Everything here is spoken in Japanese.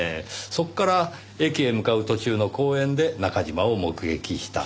そこから駅へ向かう途中の公園で中嶋を目撃した。